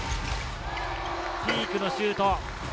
ピークのシュート。